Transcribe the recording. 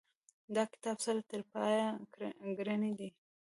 دا کتاب سر ترپایه ګړنې دي.